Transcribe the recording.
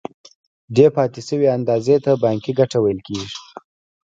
دې پاتې شوې اندازې ته بانکي ګټه ویل کېږي